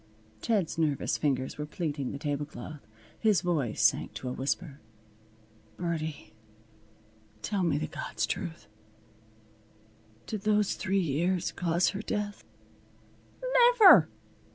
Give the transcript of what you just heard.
Ted's nervous fingers were pleating the tablecloth. His voice sank to a whisper. "Birdie, tell me the God's truth. Did those three years cause her death?" "Niver!"